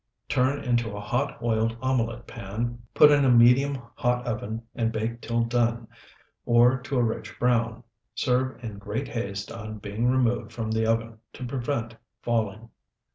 Turn into a hot oiled omelet pan, put in medium hot oven, and bake till done, or to a rich brown. Serve in great haste on being removed from the oven, to prevent falling.